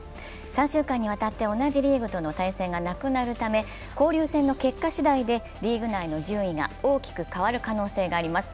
３週間にわたって同じリーグとの対戦がなくなるため交流戦の結果しだいでリーグ内の順位が大きく変わる可能性があります。